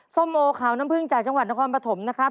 ส้มโอขาวน้ำผึ้งจากจังหวัดนครปฐมนะครับ